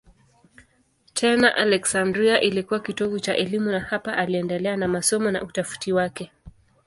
Tena Aleksandria ilikuwa kitovu cha elimu na hapa aliendelea na masomo na utafiti wake.